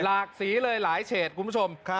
หลากสีเลยหลายเฉดคุณผู้ชมครับ